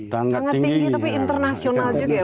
sangat tinggi tapi internasional juga ya